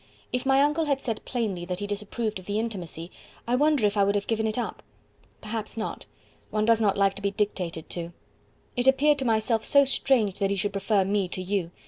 If my uncle had said plainly that he disapproved of the intimacy, I wonder if I would have given it up? Perhaps not one does not like to be dictated to. It appeared to myself so strange that he should prefer me to you.